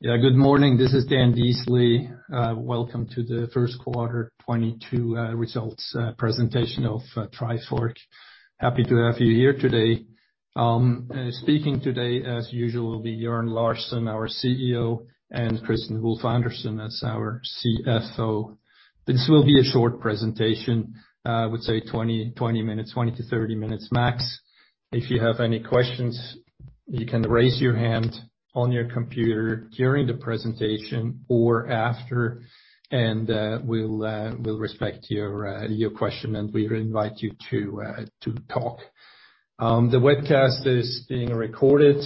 Yeah. Good morning. This is Dan Dysli. Welcome to the first quarter 2022 results presentation of Trifork. Happy to have you here today. Speaking today as usual will be Jørn Larsen, our CEO, and Kristian Wulf-Andersen as our CFO. This will be a short presentation, I would say 20 minutes, 20-30 minutes max. If you have any questions, you can raise your hand on your computer during the presentation or after, and we'll respect your question, and we invite you to talk. The webcast is being recorded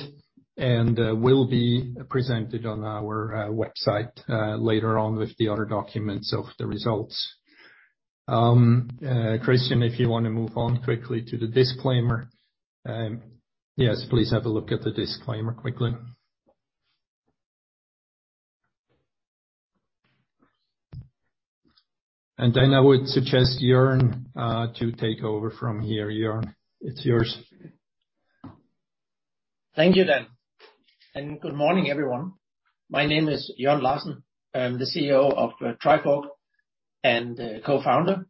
and will be presented on our website later on with the other documents of the results. Kristian, if you wanna move on quickly to the disclaimer. Yes, please have a look at the disclaimer quickly. I would suggest Jørn to take over from here. Jørn, it's yours. Thank you, Dan. Good morning, everyone. My name is Jørn Larsen. I'm the CEO of Trifork and co-founder.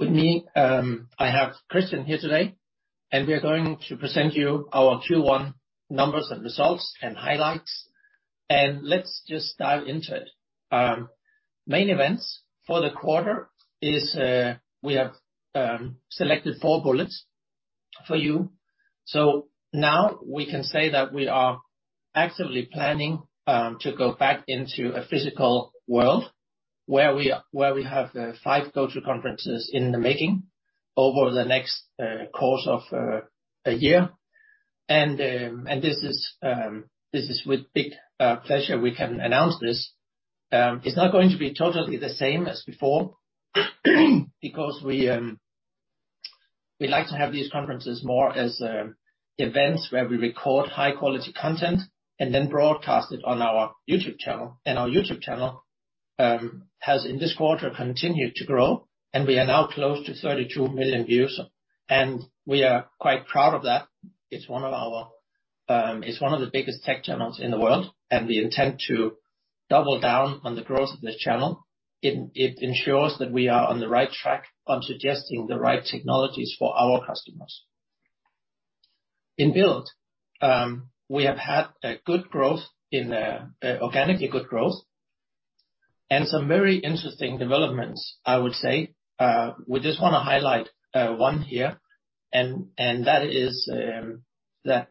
With me, I have Kristian here today, and we are going to present you our Q1 numbers and results and highlights. Let's just dive into it. Main events for the quarter is we have selected four bullets for you. Now we can say that we are actively planning to go back into a physical world where we have five go-to conferences in the making over the next course of a year. This is with big pleasure we can announce this. It's not going to be totally the same as before because we like to have these conferences more as events where we record high quality content and then broadcast it on our YouTube channel. Our YouTube channel has in this quarter continued to grow, and we are now close to 32 million views, and we are quite proud of that. It's one of the biggest tech channels in the world, and we intend to double down on the growth of this channel. It ensures that we are on the right track on suggesting the right technologies for our customers. In Build, we have had a good growth in organically good growth and some very interesting developments, I would say. We just wanna highlight one here, and that is that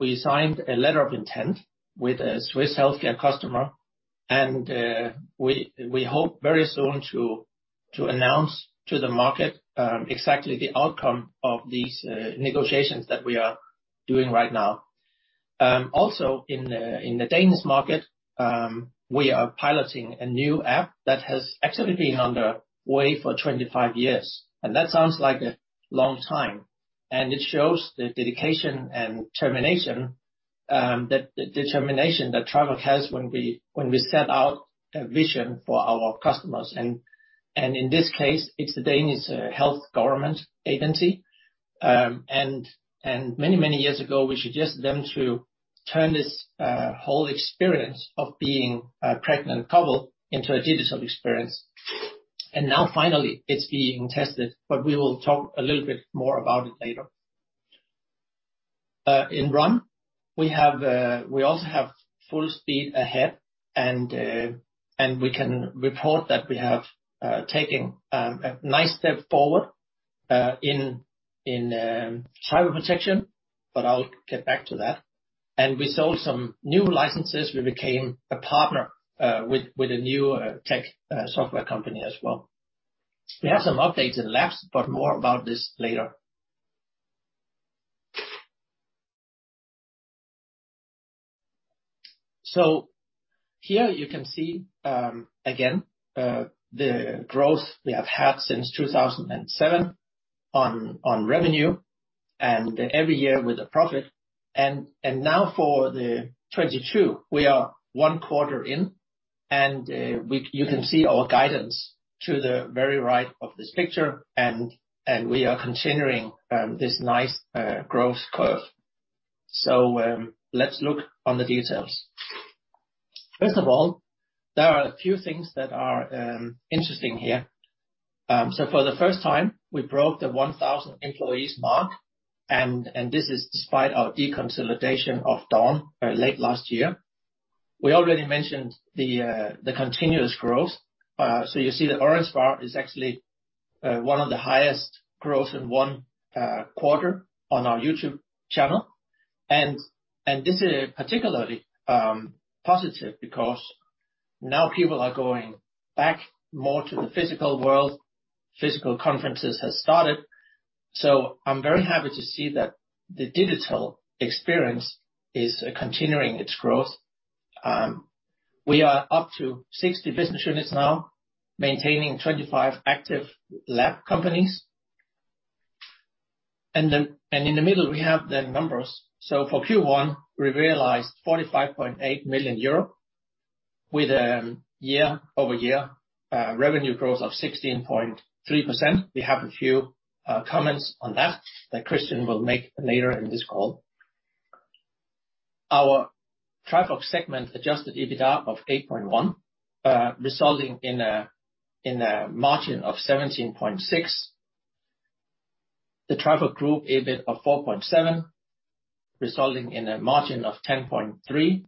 we signed a letter of intent with a Swiss healthcare customer, and we hope very soon to announce to the market exactly the outcome of these negotiations that we are doing right now. Also in the Danish market, we are piloting a new app that has actually been on the way for 25 years, and that sounds like a long time, and it shows the dedication and the determination that Trifork has when we set out a vision for our customers. In this case, it's the Danish Health Authority. Many years ago, we suggested them to turn this whole experience of being a pregnant couple into a digital experience. Now finally it's being tested, but we will talk a little bit more about it later. In Run we also have full speed ahead and we can report that we have taken a nice step forward in Cyber Protection, but I'll get back to that. We sold some new licenses. We became a partner with a new tech software company as well. We have some updates in Labs, but more about this later. Here you can see again the growth we have had since 2007 on revenue and every year with a profit. Now for 2022, we are one quarter in. You can see our guidance to the very right of this picture and we are continuing this nice growth curve. Let's look at the details. First of all, there are a few things that are interesting here. So for the first time we broke the 1,000 employees mark, and this is despite our deconsolidation of Dawn late last year. We already mentioned the continuous growth. So you see the orange bar is actually one of the highest growth in one quarter on our YouTube channel. And this is particularly positive because now people are going back more to the physical world. Physical conferences has started. I'm very happy to see that the digital experience is continuing its growth. We are up to 60 business units now, maintaining 25 active lab companies. In the middle we have the numbers. For Q1 we realized 45.8 million euro with a year-over-year revenue growth of 16.3%. We have a few comments on that Kristian will make later in this call. Our Trifork segment adjusted EBITDA of 8.1, resulting in a margin of 17.6%. The Trifork Group EBIT of 4.7, resulting in a margin of 10.3%,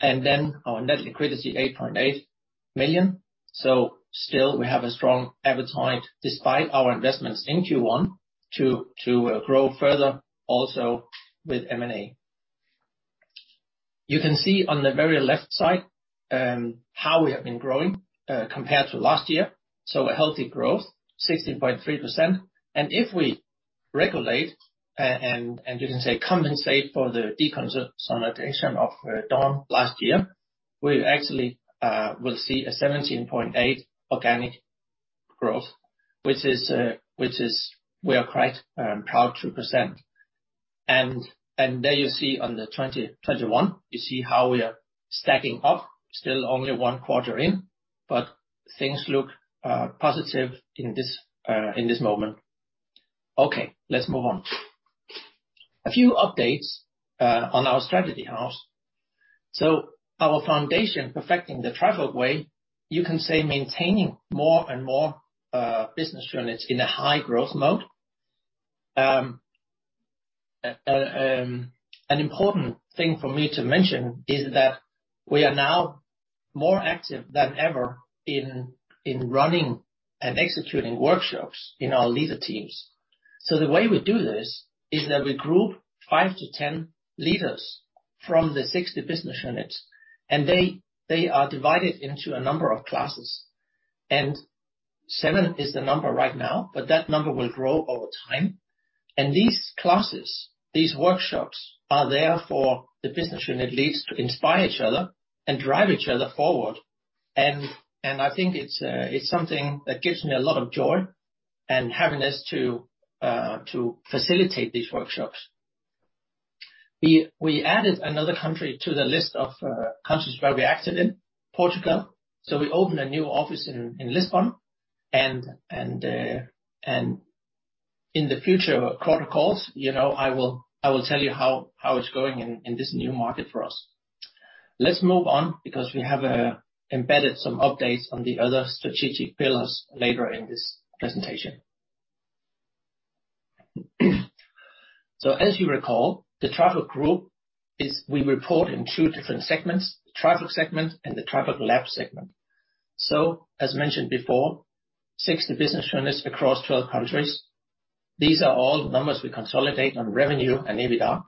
and our net liquidity 8.8 million. Still we have a strong appetite despite our investments in Q1 to grow further also with M&A. You can see on the very left side how we have been growing compared to last year, so a healthy growth, 16.3%. If we adjust, and you can say compensate for the deconsolidation of Dawn last year, we actually will see a 17.8% organic growth, which is we are quite proud to present. There you see on the 2021, you see how we are stacking up. Still only one quarter in, but things look positive in this moment. Okay, let's move on. A few updates on our strategy house. Our foundation perfecting the Trifork way, you can say maintaining more and more business units in a high growth mode. An important thing for me to mention is that we are now more active than ever in running and executing workshops in our leader teams. The way we do this is that we group five to 10 leaders from the 60 business units, and they are divided into a number of classes. Seven is the number right now, but that number will grow over time. These classes, these workshops are there for the business unit leads to inspire each other and drive each other forward. I think it's something that gives me a lot of joy and happiness to facilitate these workshops. We added another country to the list of countries where we're active in, Portugal. We opened a new office in Lisbon and in the future quarter calls, you know, I will tell you how it's going in this new market for us. Let's move on because we have embedded some updates on the other strategic pillars later in this presentation. As you recall, the Trifork Group is we report in two different segments, Trifork segment and the Trifork Labs segment. As mentioned before, 60 business units across 12 countries. These are all the numbers we consolidate on revenue and EBITDA.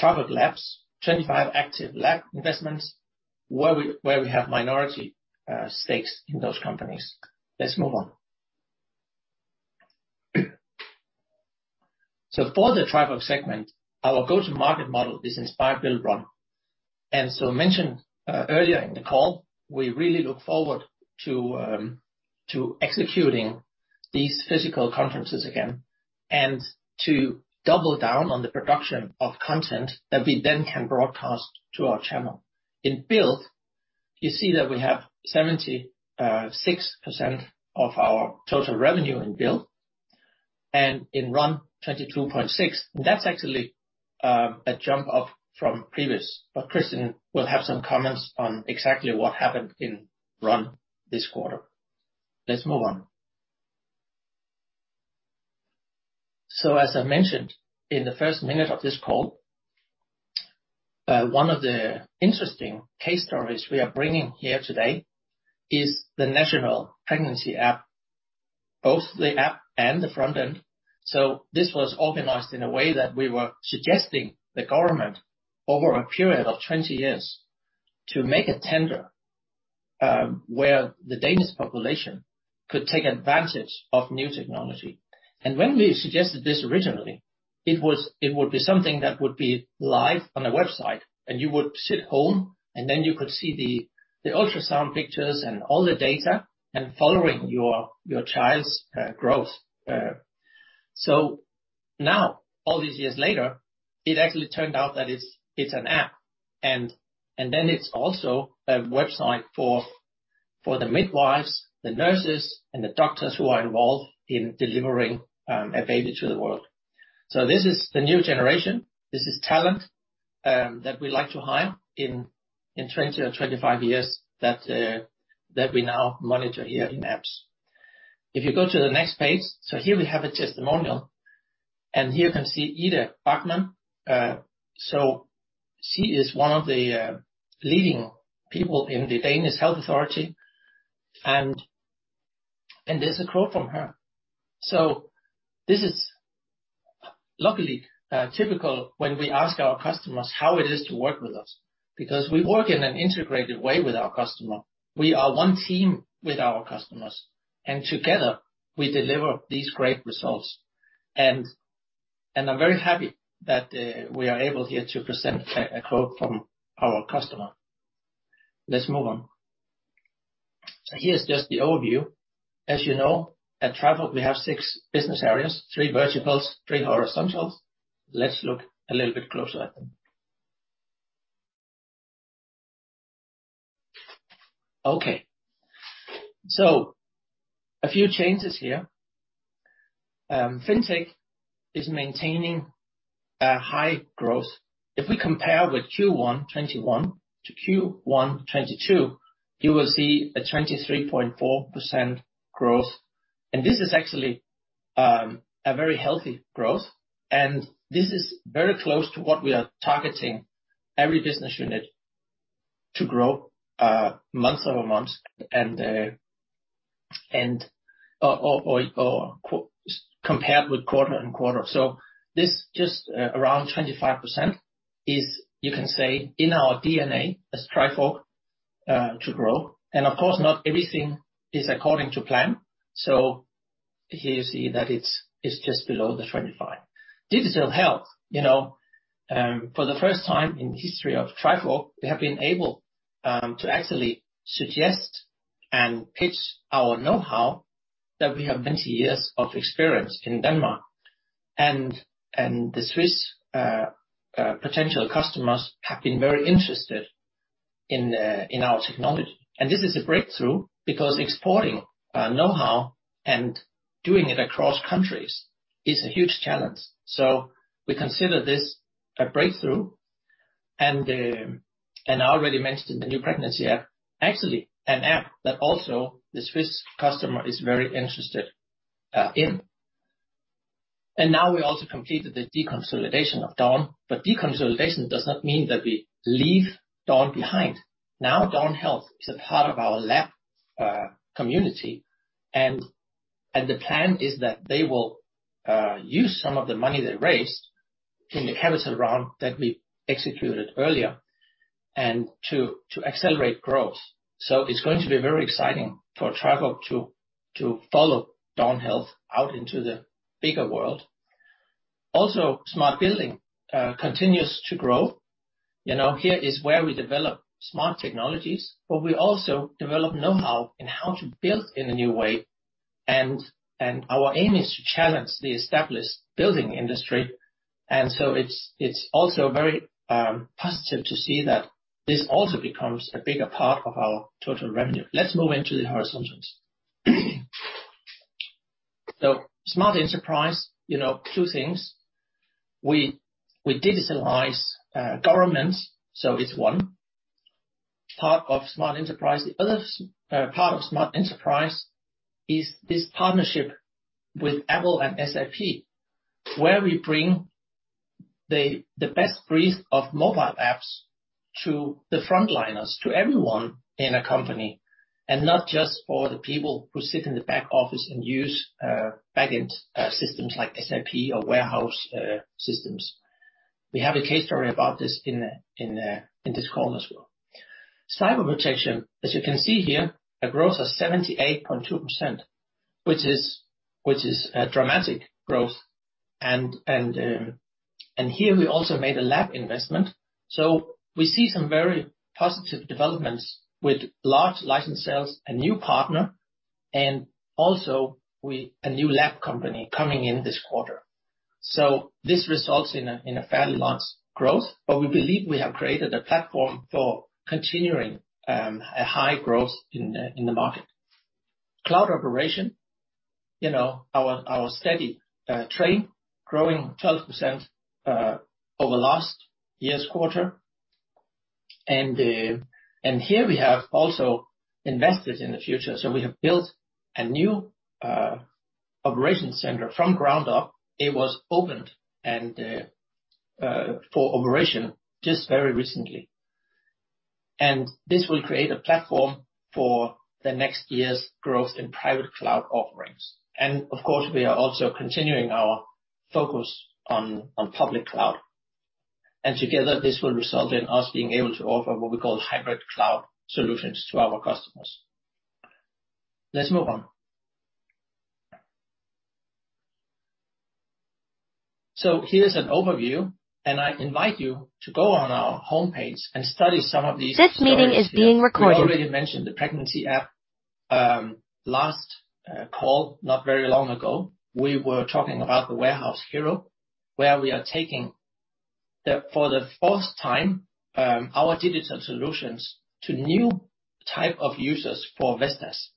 Trifork Labs, 25 active lab investments where we have minority stakes in those companies. Let's move on. For the Trifork segment, our go-to-market model is Inspire-Build-Run. As mentioned earlier in the call, we really look forward to executing these physical conferences again and to double down on the production of content that we then can broadcast to our channel. In Build, you see that we have 76% of our total revenue in Build, and in Run 22.6. That's actually a jump up from previous. Kristian will have some comments on exactly what happened in Run this quarter. Let's move on. As I mentioned in the first minute of this call, one of the interesting case stories we are bringing here today is the national pregnancy app, both the app and the front end. This was organized in a way that we were suggesting the government over a period of 20 years to make a tender, where the Danish population could take advantage of new technology. When we suggested this originally, it would be something that would be live on a website, and you would sit home, and then you could see the ultrasound pictures and all the data and following your child's growth. Now all these years later, it actually turned out that it's an app, and then it's also a website for the midwives, the nurses, and the doctors who are involved in delivering a baby to the world. This is the new generation. This is talent that we like to hire in 20 or 25 years that we now monitor here in apps. If you go to the next page, here we have a testimonial, and here you can see Ida Bachmann. She is one of the leading people in the Danish Health Authority. There's a quote from her. This is luckily typical when we ask our customers how it is to work with us because we work in an integrated way with our customer. We are one team with our customers, and together we deliver these great results. I'm very happy that we are able here to present a quote from our customer. Let's move on. Here's just the overview. As you know, at Trifork, we have six business areas, three verticals, three horizontals. Let's look a little bit closer at them. Okay. A few changes here. FinTech is maintaining high growth. If we compare with Q1 2021 to Q1 2022, you will see a 23.4% growth. This is actually a very healthy growth. This is very close to what we are targeting every business unit to grow month-over-month or quarter-over-quarter. This just around 25% is, you can say, in our DNA as Trifork to grow. Of course, not everything is according to plan. Here you see that it's just below the 25%. Digital Health. You know, for the first time in history of Trifork, we have been able to actually suggest and pitch our know-how that we have 20 years of experience in Denmark. The Swiss potential customers have been very interested in our technology. This is a breakthrough because exporting know-how and doing it across countries is a huge challenge. We consider this a breakthrough. I already mentioned the new pregnancy app. Actually an app that also the Swiss customer is very interested in. Now we also completed the deconsolidation of Dawn. Deconsolidation does not mean that we leave Dawn behind. Now, Dawn Health is a part of our lab community, and the plan is that they will use some of the money they raised in the capital round that we executed earlier and to accelerate growth. It's going to be very exciting for Trifork to follow Dawn Health out into the bigger world. Also, Smart Building continues to grow. You know, here is where we develop smart technologies, but we also develop know-how in how to build in a new way. Our aim is to challenge the established building industry. It's also very positive to see that this also becomes a bigger part of our total revenue. Let's move into the horizontals. Smart Enterprise, you know, two things. We digitalize governments, so it's one part of Smart Enterprise. The other part of Smart Enterprise is this partnership with Apple and SAP, where we bring the best breed of mobile apps to the frontliners, to everyone in a company, and not just for the people who sit in the back office and use backend systems like SAP or warehouse systems. We have a case story about this in this call as well. Cyber Protection, as you can see here, a growth of 78.2%, which is a dramatic growth. Here we also made a lab investment. We see some very positive developments with large license sales, a new partner, and also a new lab company coming in this quarter. This results in a fairly large growth, but we believe we have created a platform for continuing a high growth in the market. Cloud Operations, you know, our steady trend growing 12% over last year's quarter. Here we have also invested in the future. We have built a new operations center from ground up. It was opened for operation just very recently. This will create a platform for the next year's growth in private cloud offerings. Of course, we are also continuing our focus on public cloud. Together, this will result in us being able to offer what we call hybrid cloud solutions to our customers. Let's move on. Here's an overview, and I invite you to go on our homepage and study some of these stories here. We already mentioned the pregnancy app last call not very long ago. We were talking about the Warehouse Hero, where we are taking for the first time our digital solutions to new type of users for Vestas.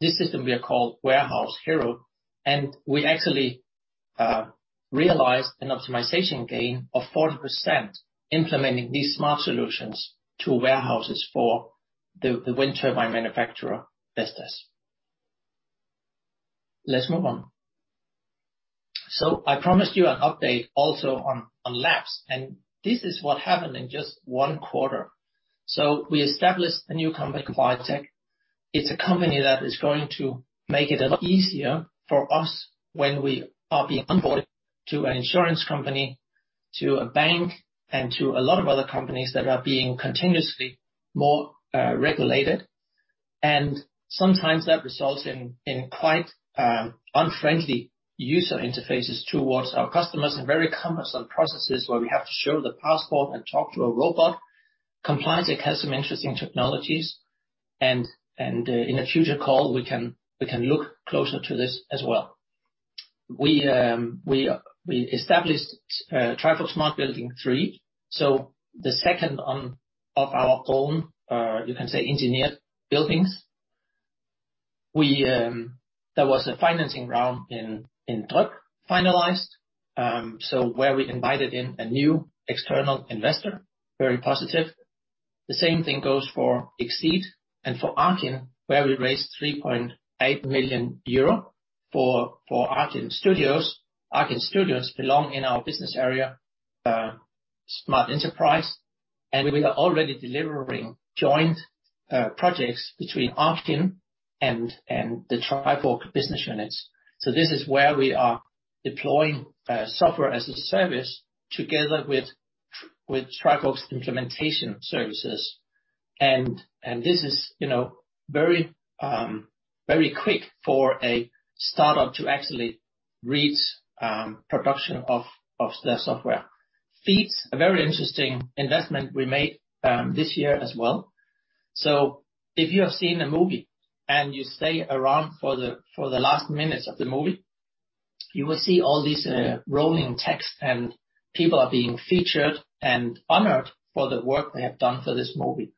This system we have called Warehouse Hero, and we actually realized an optimization gain of 40% implementing these smart solutions to warehouses for the wind turbine manufacturer, Vestas. Let's move on. I promised you an update also on labs, and this is what happened in just one quarter. We established a new company, ComplyTeq. It's a company that is going to make it a lot easier for us when we are being onboarded to an insurance company, to a bank, and to a lot of other companies that are being continuously more regulated. Sometimes that results in quite unfriendly user interfaces towards our customers and very cumbersome processes where we have to show the passport and talk to a robot. ComplyTech has some interesting technologies and in a future call, we can look closer to this as well. We established Trifork Smart Building III. The second one of our own, you can say, engineered buildings. There was a financing round in Dryk finalized, where we invited in a new external investor, very positive. The same thing goes for ExSeed and for Arkyn, where we raised 3.8 million euro for Arkyn Studios. Arkyn Studios belong in our business area, Smart Enterprise, and we are already delivering joint projects between Arkyn and the Trifork business units. This is where we are deploying software as a service together with Trifork's implementation services. This is, you know, very, very quick for a startup to actually reach production of their software. Feats, a very interesting investment we made this year as well. If you have seen a movie and you stay around for the last minutes of the movie, you will see all these rolling text, and people are being featured and honored for the work they have done for this movie.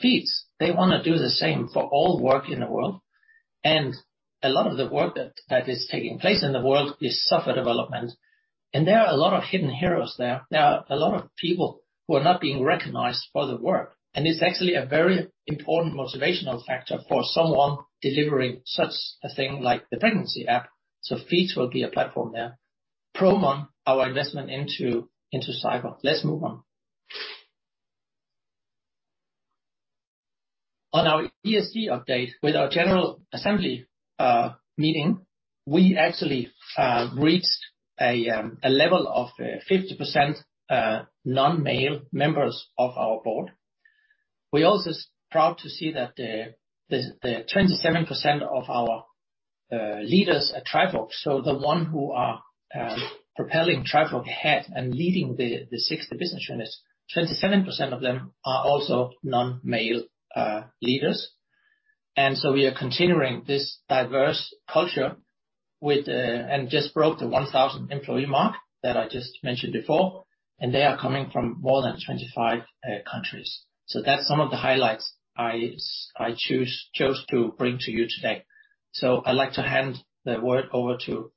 Feats, they wanna do the same for all work in the world. A lot of the work that is taking place in the world is software development, and there are a lot of hidden heroes there. There are a lot of people who are not being recognized for the work, and it's actually a very important motivational factor for someone delivering such a thing like the pregnancy app, so Feats will be a platform there. Promon, our investment into cyber. Let's move on. On our ESG update with our general assembly meeting, we actually reached a level of 50% non-male members of our board. We also are proud to see that the 27% of our leaders at Trifork, so the ones who are propelling Trifork ahead and leading the six business units, 27% of them are also non-male leaders. We are continuing this diverse culture with just breaking the 1,000 employee mark that I just mentioned before, and they are coming from more than 25 countries. That's some of the highlights I chose to bring to you today. I'd like to hand the word over to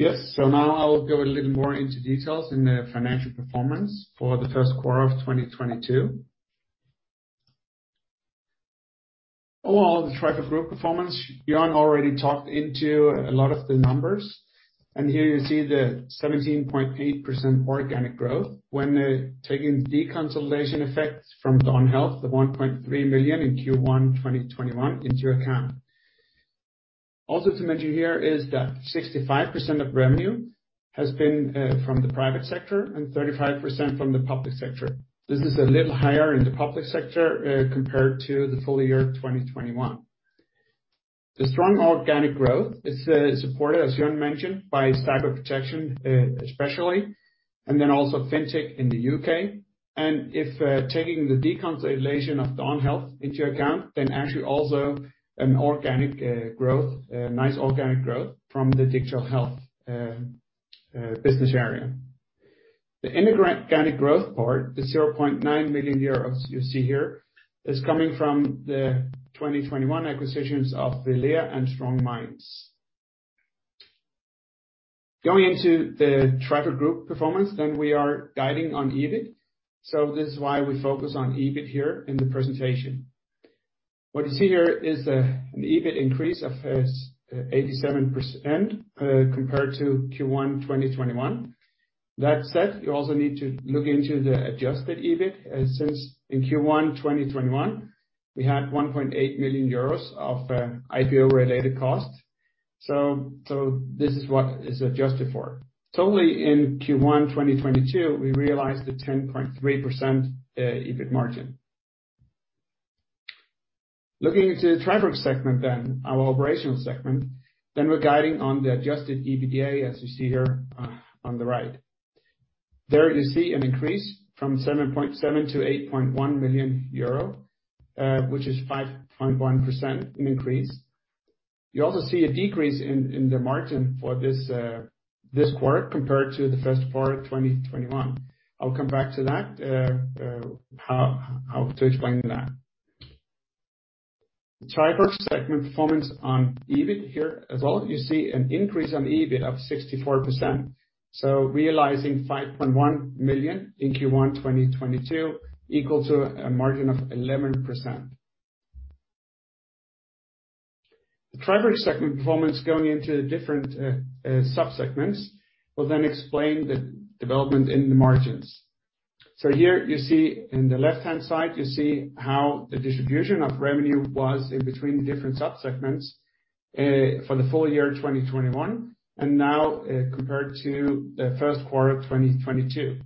Kristian Wulf-Andersen. Now I'll go a little more into details in the financial performance for the first quarter of 2022. Overall, the Trifork Group performance, Jørn already touched on a lot of the numbers. Here you see the 17.8% organic growth when taking deconsolidation effects from Dawn Health, the 1.3 million in Q1 2021, into account. Also to mention here is that 65% of revenue has been from the private sector and 35% from the public sector. This is a little higher in the public sector compared to the full year of 2021. The strong organic growth is supported, as Jørn mentioned, by Cyber Protection, especially, and then also FinTech in the U.K. If taking the deconsolidation of Dawn Health into account, then actually also an organic growth, a nice organic growth from the digital health business area. The inorganic growth part, the 0.9 million euros you see here, is coming from the 2021 acquisitions of Vilea and StrongMinds. Going into the Trifork Group performance, then we are guiding on EBIT. This is why we focus on EBIT here in the presentation. What you see here is an EBIT increase of 87% compared to Q1 2021. That said, you also need to look into the adjusted EBIT, since in Q1 2021, we had 1.8 million euros of IPO related costs. This is what is adjusted for. Total in Q1 2022, we realized a 10.3% EBIT margin. Looking into the Trifork segment then, our operational segment, we're guiding on the adjusted EBITDA, as you see here, on the right. There you see an increase from 7.7 million to 8.1 million euro, which is a 5.1% increase. You also see a decrease in the margin for this quarter compared to the first quarter of 2021. I'll come back to that, how to explain that. The Trifork segment performance on EBIT here as well, you see an increase on EBIT of 64%. Realizing 5.1 million in Q1 2022, equal to a margin of 11%. The Trifork segment performance going into the different sub-segments will then explain the development in the margins. Here you see, in the left-hand side, you see how the distribution of revenue was between the different sub-segments for the full year 2021, and now compared to the first quarter of 2022.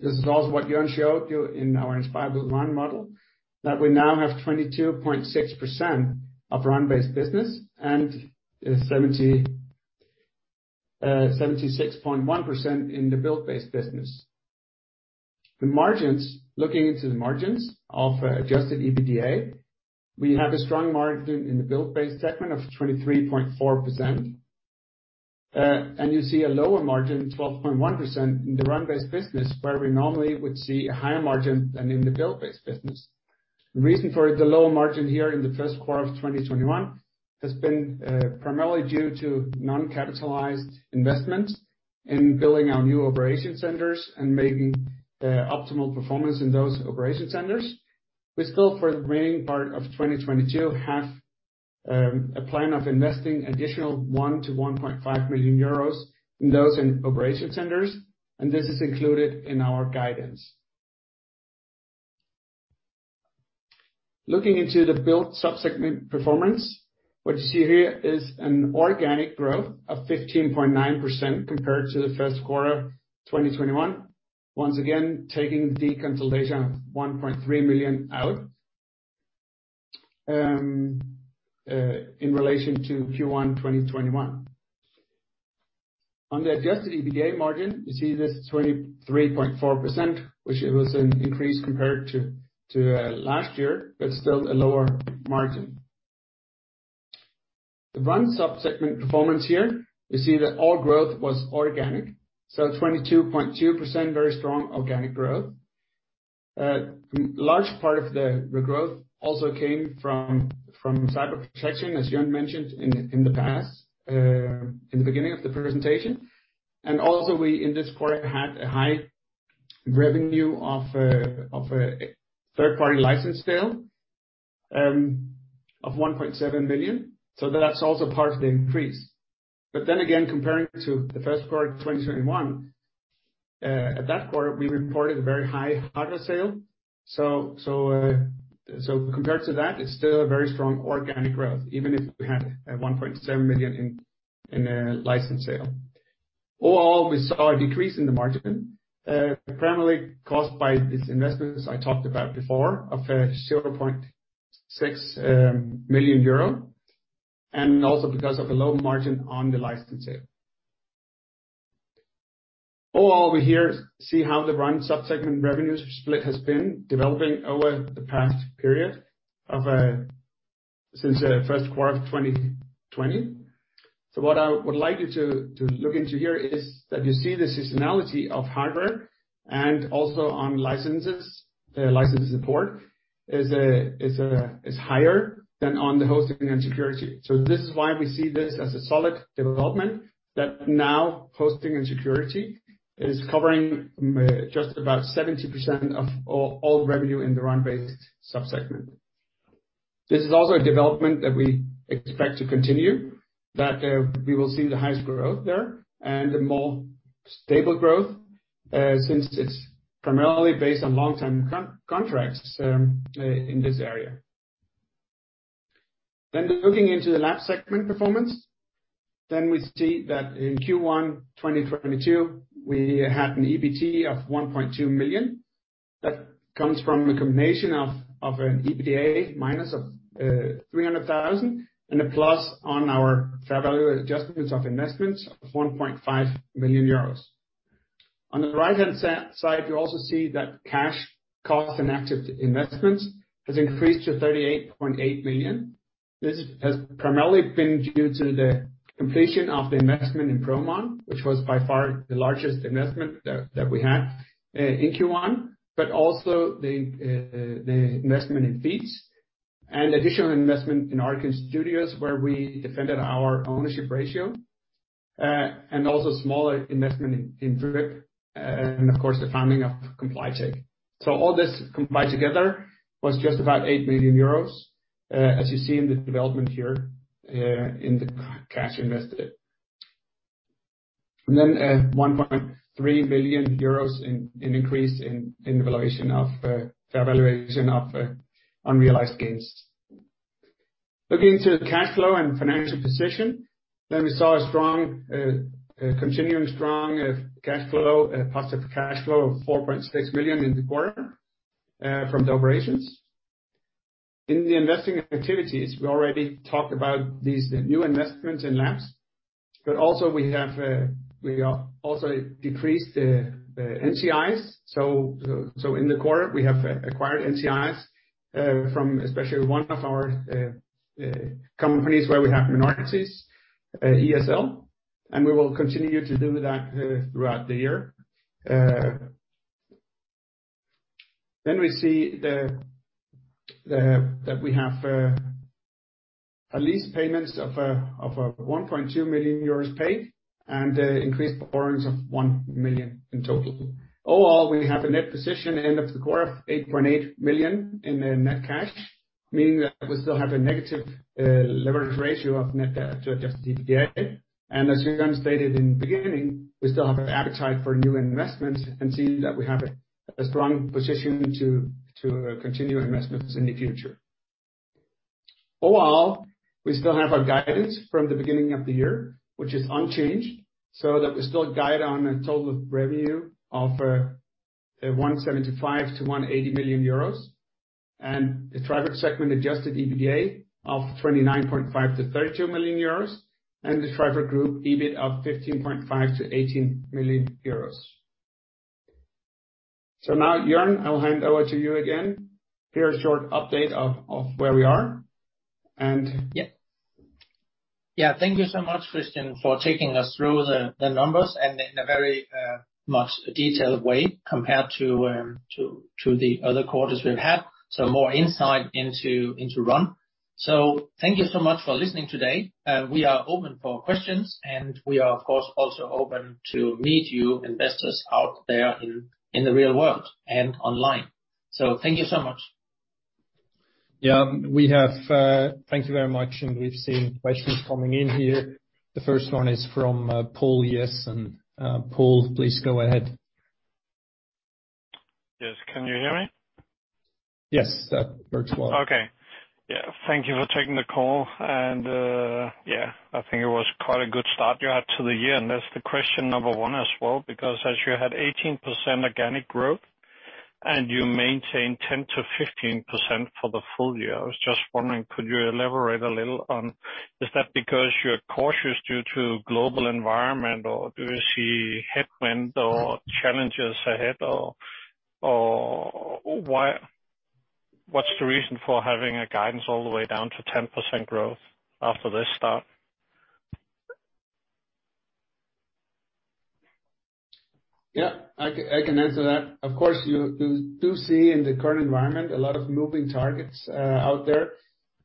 This is also what Jørn showed you in our Inspire-Build model, that we now have 22.6% of run-based business and 76.1% in the build-based business. The margins, looking into the margins of adjusted EBITDA, we have a strong margin in the build-based segment of 23.4%. You see a lower margin, 12.1% in the run-based business, where we normally would see a higher margin than in the build-based business. The reason for the lower margin here in the first quarter of 2021 has been primarily due to non-capitalized investments in building our new operation centers and making optimal performance in those operation centers. We still, for the remaining part of 2022, have a plan of investing additional 1-1.5 million euros in those operation centers, and this is included in our guidance. Looking into the build sub-segment performance, what you see here is an organic growth of 15.9% compared to the first quarter of 2021. Once again, taking the consolidation of 1.3 million out in relation to Q1 2021. On the adjusted EBITDA margin, you see this 23.4%, which it was an increase compared to last year, but still a lower margin. The Run sub-segment performance here, you see that all growth was organic, so 22.2%, very strong organic growth. Large part of the growth also came from Cyber Protection, as Jörn mentioned in the beginning of the presentation. Also we in this quarter had a high revenue of a third-party license sale of 1.7 million. That's also part of the increase. Then again, comparing to the first quarter of 2021, at that quarter, we reported very high hardware sale. Compared to that, it's still a very strong organic growth, even if we had a 1.7 million in a license sale. Overall, we saw a decrease in the margin, primarily caused by these investments I talked about before, of 0.6 million euro, and also because of a low margin on the license sale. Overall, we here see how the run sub-segment revenue split has been developing over the past period of since first quarter of 2020. What I would like you to look into here is that you see the seasonality of hardware and also on licenses. The license support is higher than on the hosting and security. This is why we see this as a solid development that now hosting and security is covering just about 70% of all revenue in the run-based sub-segment. This is also a development that we expect to continue, we will see the highest growth there and a more stable growth, since it's primarily based on long-term contracts in this area. Looking into the Labs segment performance, we see that in Q1 2022, we had an EBT of 1.2 million. That comes from the combination of an EBITDA minus of 300,000 and a plus on our fair value adjustments of investments of 1.5 million euros. On the right-hand side, you also see that cash costs and active investments has increased to 38.8 million. This has primarily been due to the completion of the investment in Promon, which was by far the largest investment that we had in Q1, but also the investment in Feats and additional investment in Arkyn Studios, where we defended our ownership ratio. Also smaller investment in Vilea, and of course, the founding of ComplyTeq. All this combined together was just about 8 million euros, as you see in the development here, in the cash invested. Then, 1.3 million euros in increase in fair valuation of unrealized gains. Looking to the cash flow and financial position, then we saw a strong continuing strong cash flow positive cash flow of 4.6 million in the quarter from the operations. In the investing activities, we already talked about these new investments in labs, but also we have decreased NCIs. In the quarter, we have acquired NCIs from especially one of our companies where we have minorities, Erlang Solutions, and we will continue to do that throughout the year. Then we see that we have lease payments of 1.2 million euros paid and increased borrowings of 1 million in total. Overall, we have a net position end of the quarter of 8.8 million in net cash, meaning that we still have a negative leverage ratio of net debt to adjusted EBITDA. As Jørn stated in the beginning, we still have an appetite for new investments and see that we have a strong position to continue investments in the future. Overall, we still have our guidance from the beginning of the year, which is unchanged, so that we still guide on total revenue of 175 million-180 million euros. The Trifork segment adjusted EBITDA of 29.5 million-32 million euros, and the Trifork Group EBIT of 15.5 million-18 million euros. Now, Jørn, I'll hand over to you again. Here's a short update of where we are and. Yeah, thank you so much, Kristian, for taking us through the numbers and in a very much detailed way compared to the other quarters we've had, so more insight into Run. Thank you so much for listening today. We are open for questions, and we are, of course, also open to meet you, investors out there in the real world and online. Thank you so much. Yeah. We have, thank you very much, and we've seen questions coming in here. The first one is from Poul Jessen. Poul, please go ahead. Yes. Can you hear me? Yes. That works well. Okay. Yeah. Thank you for taking the call. Yeah, I think it was quite a good start you had to the year, and that's the question number one as well, because as you had 18% organic growth and you maintain 10%-15% for the full year, I was just wondering, could you elaborate a little on, is that because you're cautious due to global environment, or do you see headwind or challenges ahead or why, what's the reason for having a guidance all the way down to 10% growth after this start? Yeah. I can answer that. Of course, you do see in the current environment a lot of moving targets out there.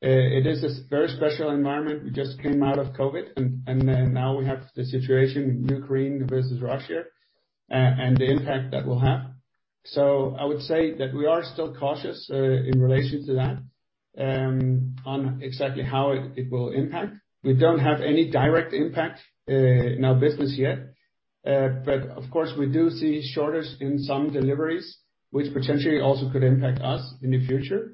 It is a very special environment. We just came out of COVID and now we have the situation with Ukraine versus Russia and the impact that will have. I would say that we are still cautious in relation to that on exactly how it will impact. We don't have any direct impact in our business yet. Of course, we do see shortage in some deliveries, which potentially also could impact us in the future.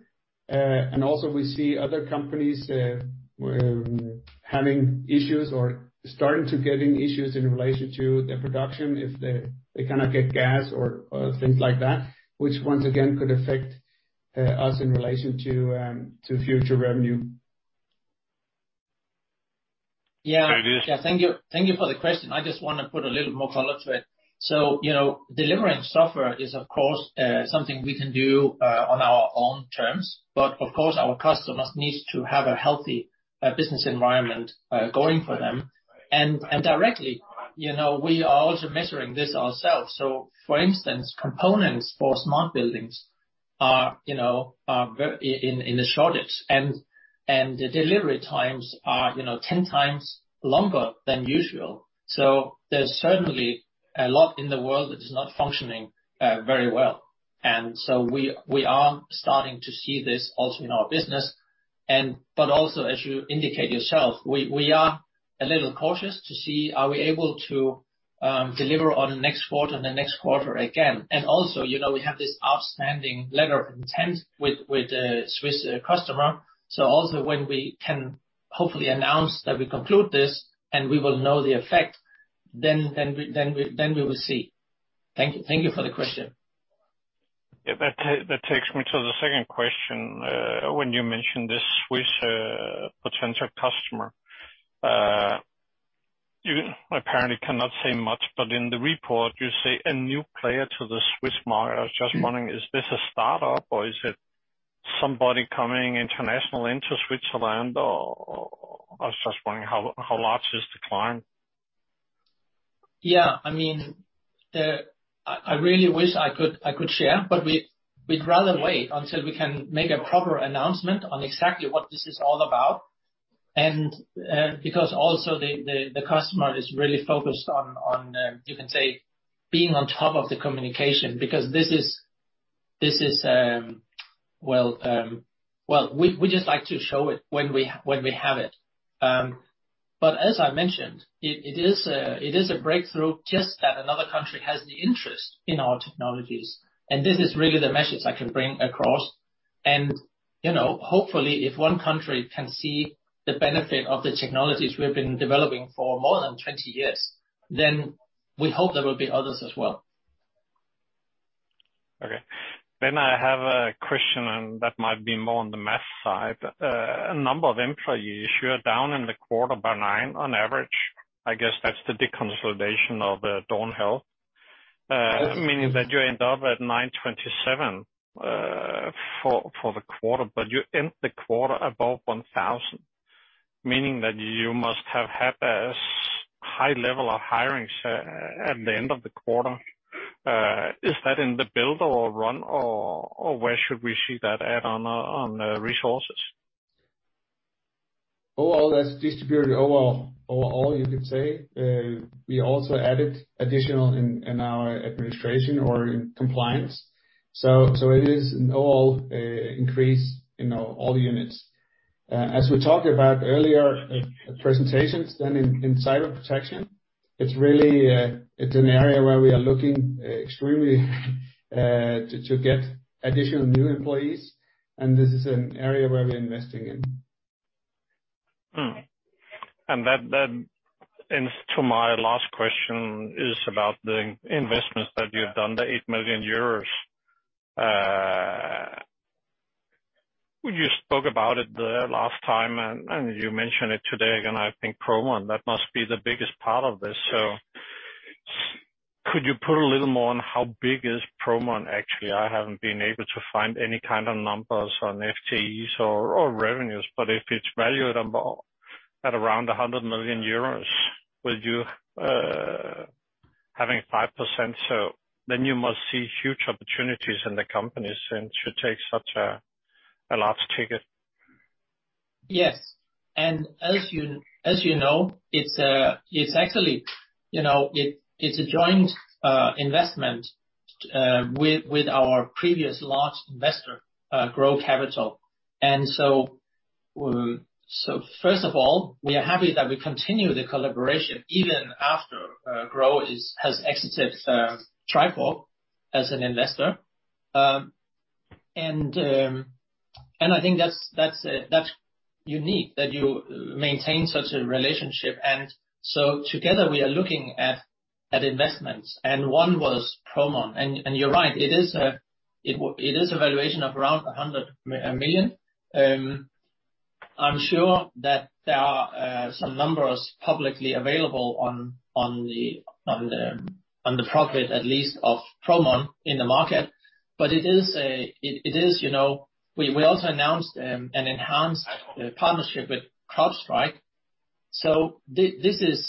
We see other companies having issues or starting to getting issues in relation to the production if they cannot get gas or things like that, which once again could affect us in relation to to future revenue. Yeah. Very good. Yeah. Thank you, thank you for the question. I just wanna put a little more color to it. You know, delivering software is, of course, something we can do on our own terms, but of course, our customers needs to have a healthy business environment going for them. And directly, you know, we are also measuring this ourselves. For instance, components for smart buildings are, you know, in a shortage and the delivery times are, you know, 10x longer than usual. There's certainly a lot in the world that is not functioning very well. We are starting to see this also in our business. As you indicate yourself, we are a little cautious to see, are we able to deliver on the next quarter and the next quarter again? Also, you know, we have this outstanding letter of intent with a Swiss customer. When we can hopefully announce that we conclude this and we will know the effect, then we will see. Thank you for the question. Yeah, that takes me to the second question. When you mention the Swiss potential customer, you apparently cannot say much, but in the report you say a new player to the Swiss market. I was just wondering, is this a startup, or is it somebody coming internationally into Switzerland, or how large is the client? Yeah. I mean, I really wish I could share, but we'd rather wait until we can make a proper announcement on exactly what this is all about. Because also the customer is really focused on you can say being on top of the communication because this is we just like to show it when we have it. But as I mentioned, it is a breakthrough just that another country has the interest in our technologies, and this is really the message I can bring across. You know, hopefully, if one country can see the benefit of the technologies we have been developing for more than 20 years, then we hope there will be others as well. Okay. I have a question, and that might be more on the math side. A number of employees, you are down in the quarter by nine on average. I guess that's the deconsolidation of Dawn Health. Meaning that you end up at 927 for the quarter, but you end the quarter above 1,000, meaning that you must have had a high level of hirings at the end of the quarter. Is that in the build or run or where should we see that add on on resources? Overall, that's distributed overall, you could say. We also added additional in our administration or in compliance. It is an overall increase in all the units. As we talked about earlier, presentation in Cyber Protection, it's really an area where we are looking extremely to get additional new employees, and this is an area where we're investing in. To my last question is about the investments that you've done, the 8 million euros. You spoke about it the last time and you mentioned it today again. I think Promon, that must be the biggest part of this. Could you put a little more on how big is Promon actually? I haven't been able to find any kind of numbers on FTEs or revenues. If it's valued at around 100 million euros, with you having 5%, then you must see huge opportunities in the company since you take such a large ticket. Yes. As you know, it's actually, you know, it's a joint investment with our previous large investor, GRO Capital. First of all, we are happy that we continue the collaboration even after GRO has exited Trifork as an investor. I think that's unique that you maintain such a relationship. Together we are looking at investments, and one was Promon. You're right, it is a valuation of around 100 million. I'm sure that there are some numbers publicly available on the profit at least of Promon in the market. It is, you know. We also announced an enhanced partnership with CrowdStrike. This is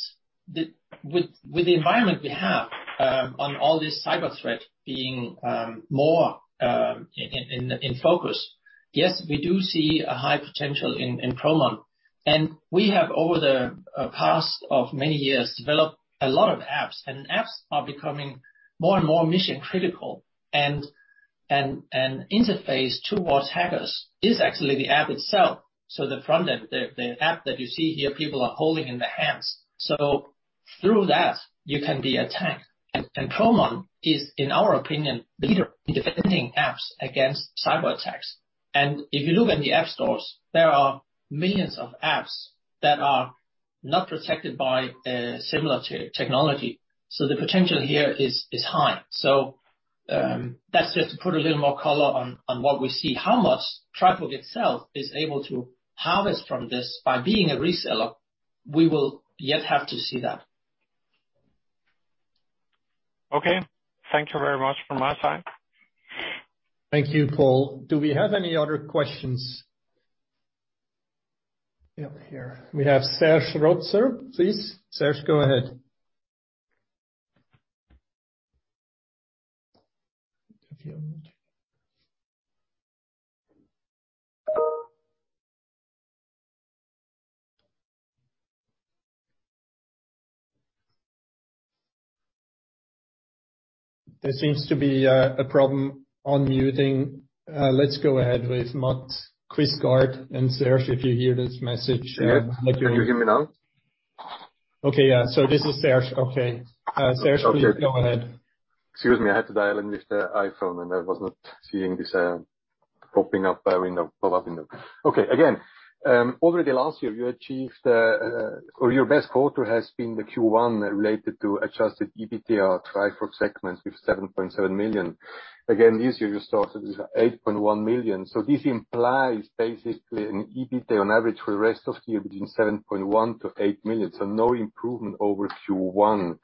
the environment we have on all this cyber threat being more in focus. Yes, we do see a high potential in Promon. We have over the past many years developed a lot of apps, and apps are becoming more and more mission-critical. The interface towards hackers is actually the app itself, so the front end, the app that you see here, people are holding in their hands. Through that, you can be attacked. Promon is, in our opinion, leader in defending apps against cyberattacks. If you look in the app stores, there are millions of apps that are not protected by similar technology. The potential here is high. That's just to put a little more color on what we see. How much Trifork itself is able to harvest from this by being a reseller, we will yet have to see that. Okay. Thank you very much from my side. Thank you, Paul. Do we have any other questions? Yep, here. We have Serge Rotzer. Please, Serge, go ahead. There seems to be a problem unmuting. Let's go ahead with Mads Quistgaard. Serge, if you hear this message. Yes. Can you hear me now? Okay, yeah. This is Serge. Okay. Okay. Please go ahead. Excuse me. I had to dial in with the iPhone, and I was not seeing this popping up window, pop-up window. Okay. Again, already last year you achieved, or your best quarter has been the Q1 related to adjusted EBITDA Trifork segments with 7.7 million. Again, this year you started with 8.1 million. This implies basically an EBITDA on average for the rest of the year between 7.1 million-8 million, so no improvement over Q1.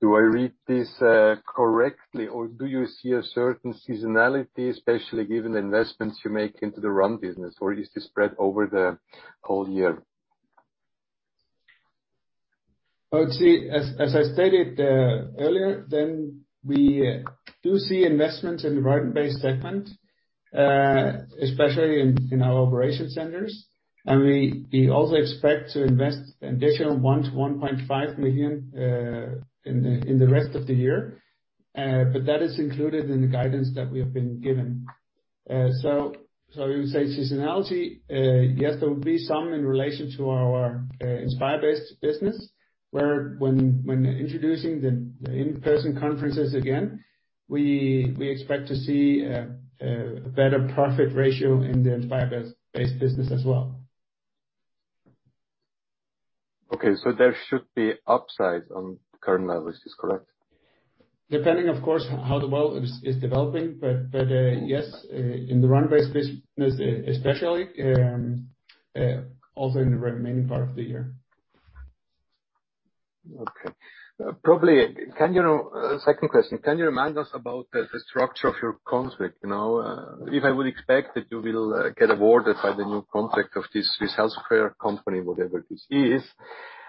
Do I read this correctly, or do you see a certain seasonality, especially given the investments you make into the RUN business? Or is this spread over the whole year? As I stated earlier, we do see investments in the Run-based segment, especially in our operation centers. We also expect to invest additional 1-1.5 million in the rest of the year. But that is included in the guidance that we have been given. You would say seasonality, yes, there will be some in relation to our Inspire-based business, where, when introducing the in-person conferences again, we expect to see better profit ratio in the Inspire-based business as well. Okay. There should be upsides on current levels. Is this correct? Depending of course how the world is developing, but yes, in the RUN base business especially, also in the remaining part of the year. Okay. Second question. Can you remind us about the structure of your contract? You know, if I would expect that you will get awarded by the new contract of this healthcare company, whatever this is.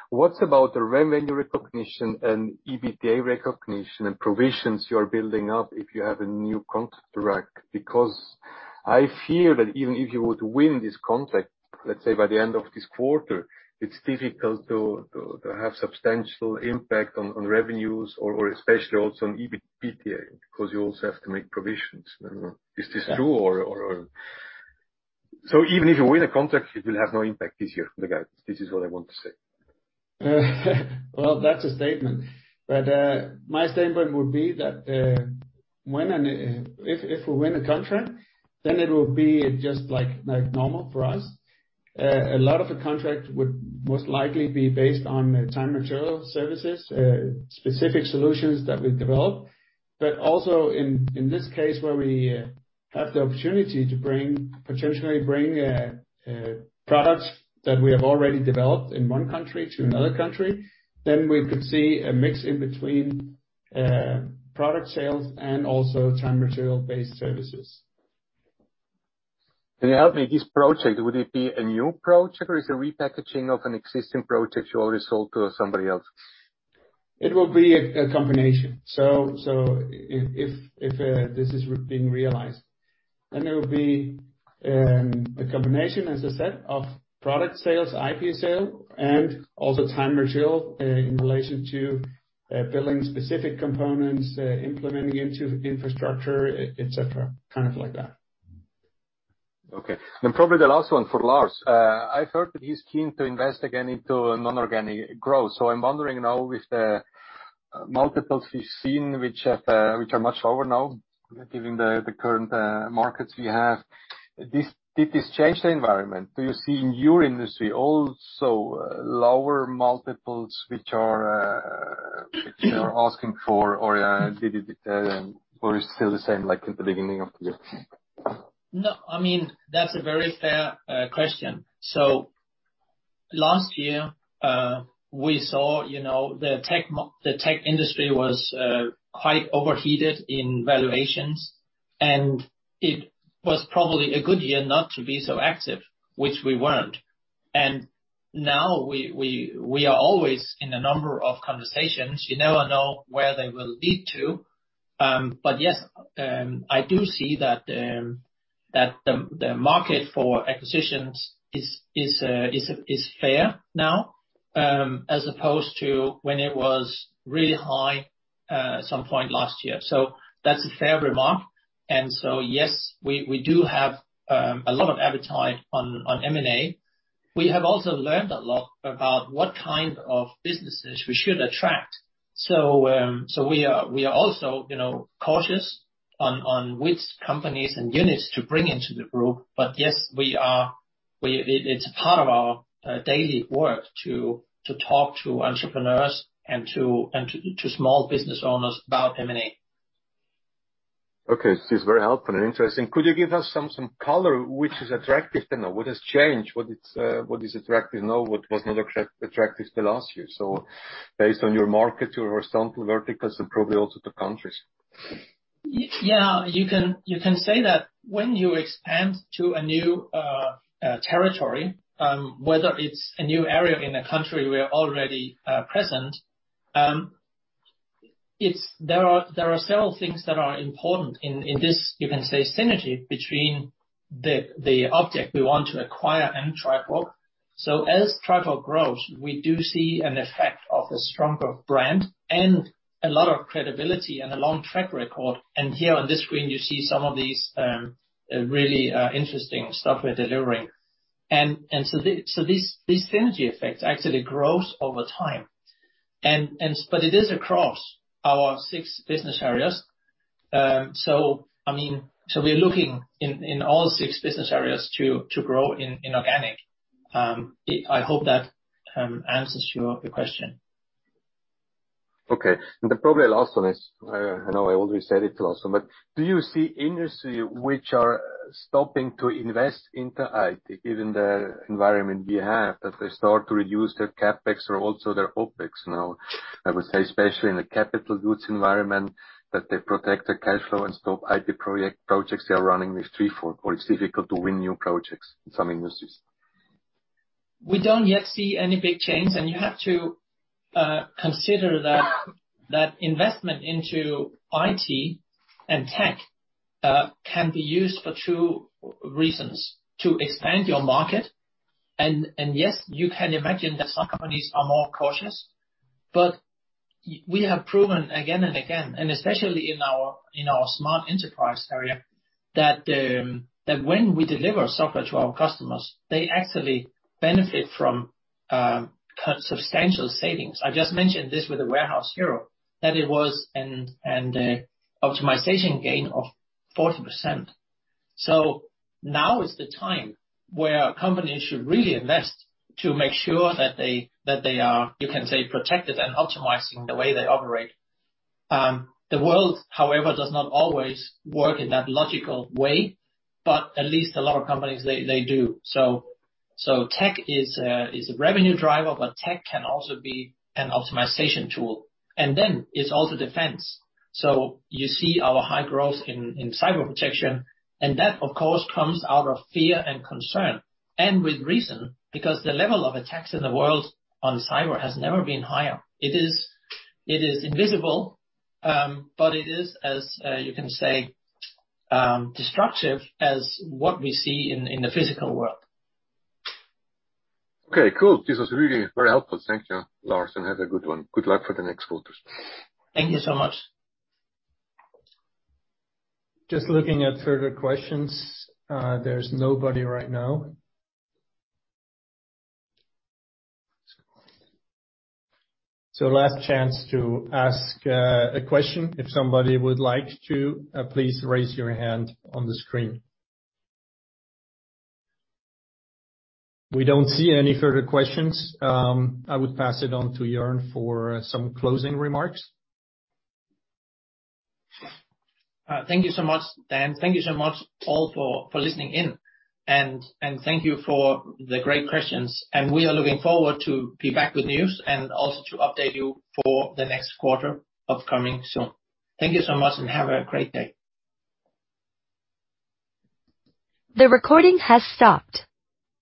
What about the revenue recognition and EBITDA recognition and provisions you are building up if you have a new contract? Because I fear that even if you were to win this contract, let's say by the end of this quarter, it's difficult to have substantial impact on revenues or especially also on EBITDA because you also have to make provisions. I don't know. Is this true? Even if you win a contract, it will have no impact this year for the guidance. This is what I want to say. Well, that's a statement. My statement would be that when and if we win a contract, then it will be just like normal for us. A lot of the contract would most likely be based on time and material services, specific solutions that we develop. In this case, where we have the opportunity to potentially bring products that we have already developed in one country to another country, then we could see a mix in between product sales and also time and material-based services. Can you help me? This project, would it be a new project or is it a repackaging of an existing project you already sold to somebody else? It will be a combination. If this is being realized, then it will be a combination, as I said, of product sales, IP sale, and also time material in relation to building specific components, implementing into infrastructure, et cetera. Kind of like that. Okay. Probably the last one for Jørn Larsen. I've heard that he's keen to invest again into non-organic growth. I'm wondering now with the multiples we've seen which are much lower now given the current markets we have. Did this change the environment? Do you see in your industry also lower multiples which you are asking for or did it? Or is it still the same like in the beginning of the year? No, I mean, that's a very fair question. Last year, we saw, you know, the tech industry was quite overheated in valuations, and it was probably a good year not to be so active, which we weren't. Now we are always in a number of conversations. You never know where they will lead to. But yes, I do see that the market for acquisitions is fair now, as opposed to when it was really high at some point last year. That's a fair remark. Yes, we do have a lot of appetite on M&A. We have also learned a lot about what kind of businesses we should attract. We are also, you know, cautious on which companies and units to bring into the group. Yes, we are—it is part of our daily work to talk to entrepreneurs and to small business owners about M&A. This is very helpful and interesting. Could you give us some color which is attractive to know what has changed, what is attractive now, what was not attractive last year? Based on your market or some verticals and probably also the countries. Yeah, you can say that when you expand to a new territory, whether it's a new area in a country we are already present, there are several things that are important in this, you can say, synergy between the target we want to acquire and Trifork. As Trifork grows, we do see an effect of a stronger brand and a lot of credibility and a long track record. Here on this screen, you see some of these really interesting stuff we're delivering. It is across our six business areas. I mean, we're looking in all six business areas to grow organically. I hope that answers your question. Probably the last one is, I know I already said it's the last one, but do you see industries which are stopping to invest into IT, given the environment we have, that they start to reduce their CapEx or also their OpEx now? I would say especially in the capital goods environment, that they protect their cash flow and stop IT projects they are running with Trifork, or it's difficult to win new projects in some industries. We don't yet see any big change. You have to consider that investment into IT and tech can be used for two reasons to expand your market. Yes, you can imagine that some companies are more cautious. We have proven again and again, and especially in our Smart Enterprise area, that when we deliver software to our customers, they actually benefit from substantial savings. I just mentioned this with the Warehouse Hero, that it was an optimization gain of 40%. Now is the time where companies should really invest to make sure that they are, you can say, protected and optimizing the way they operate. The world, however, does not always work in that logical way, but at least a lot of companies, they do. Tech is a revenue driver, but tech can also be an optimization tool. It's also defense. You see our high growth in Cyber Protection. That, of course, comes out of fear and concern, and with reason, because the level of attacks in the world on cyber has never been higher. It is invisible, but it is, as you can say, destructive as what we see in the physical world. Okay, cool. This was really very helpful. Thank you, Lars, and have a good one. Good luck for the next quarters. Thank you so much. Just looking at further questions. There's nobody right now. Last chance to ask a question if somebody would like to please raise your hand on the screen. We don't see any further questions. I would pass it on to Jørn for some closing remarks. Thank you so much, Dan. Thank you so much all for listening in, and thank you for the great questions. We are looking forward to be back with news and also to update you for the next quarter upcoming soon. Thank you so much and have a great day. The recording has stopped.